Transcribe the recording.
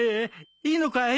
いいのかい？